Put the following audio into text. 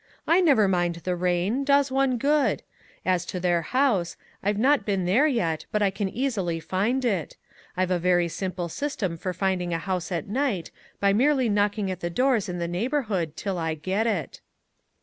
"I never mind the rain, does one good. As to their house. I've not been there yet but I can easily find it. I've a very simple system for finding a house at night by merely knocking at the doors in the neighborhood till I get it."